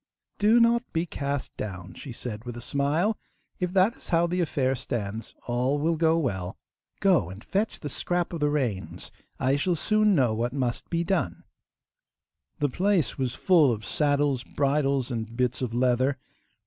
'Do not be cast down,' she said with a smile; 'if that is how the affair stands all will go well. Go and fetch the scrap of the reins; I shall soon know what must be done.' The place was full of saddles, bridles, and bits of leather.